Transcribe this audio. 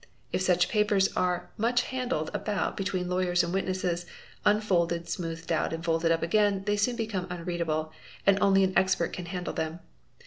If ~ such papers are much handed about between lawyers and witnesses, unfolded, smoothed out and folded up again, they soon become unreadable — and only an expert can handle them.